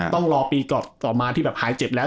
ต้องรอปีต่อมาที่แบบหายเจ็บแล้ว